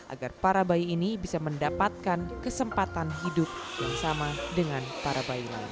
agar para bayi ini bisa mendapatkan kesempatan hidup yang sama dengan para bayi lain